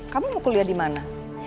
kamu mau kuliah di mana